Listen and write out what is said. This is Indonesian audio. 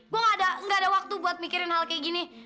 gue gak ada waktu buat mikirin hal kayak gini